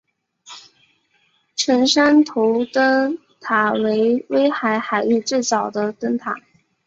成山头灯塔为威海海域最早的灯塔。